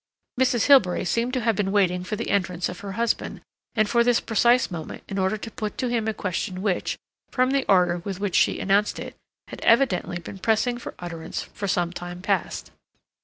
Mrs. Hilbery seemed to have been waiting for the entrance of her husband, and for this precise moment in order to put to him a question which, from the ardor with which she announced it, had evidently been pressing for utterance for some time past.